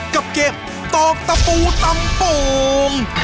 กับเกมตอกตะปูตำโป่ง